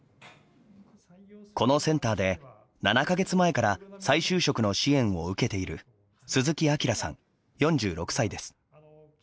このセンターで７か月前から再就職の支援を受けている鈴木明さん、４６歳です。